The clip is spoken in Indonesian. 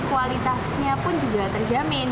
kualitasnya pun juga terjamin